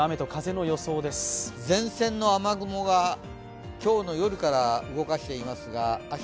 前線の雨雲が、今日の夜から動かしていきますが明日